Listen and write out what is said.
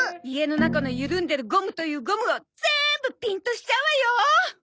家の中のゆるんでるゴムというゴムを全部ピーンとしちゃうわよ！